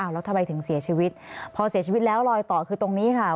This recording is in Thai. แล้วทำไมถึงเสียชีวิตพอเสียชีวิตแล้วรอยต่อคือตรงนี้ค่ะ